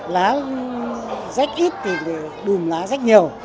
lá rách ít thì đùm lá rách nhiều